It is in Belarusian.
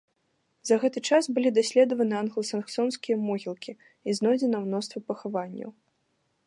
За гэты час былі даследаваны англасаксонскія могілкі і знойдзена мноства пахаванняў.